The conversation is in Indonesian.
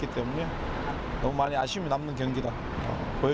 tapi anjing memang kebetulan suaru apa ya